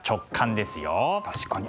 確かに。